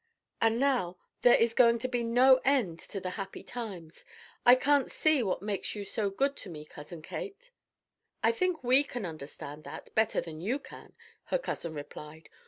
And now there is going to be no end to the happy times. I can't see what makes you so good to me, Cousin Kate." "I think we can understand that better than you can," her cousin replied.